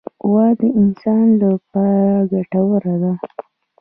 غوا د انسان له پاره ګټوره ده.